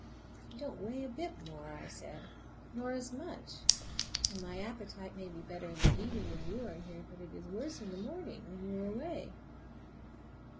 "I don't weigh a bit more," said I, "nor as much; and my appetite may be better in the evening, when you are here, but it is worse in the morning when you are away."